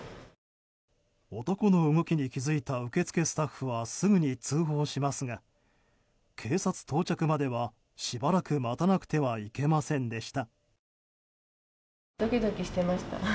男の動きに気付いた受付スタッフはすぐに通報しますが警察到着まではしばらく待たなくてはいけませんでした。